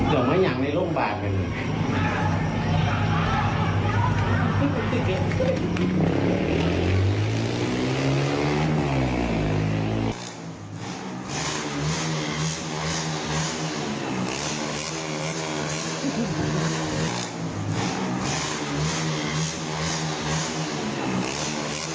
เหมือนอย่างในโรงพยาบาลเหมือน